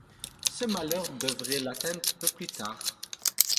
Ce malheur devait l'atteindre un peu plus tard.